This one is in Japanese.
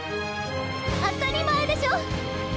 当たり前でしょ！